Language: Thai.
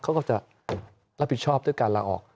เขาก็จะรับผิดชอบด้วยการลาออก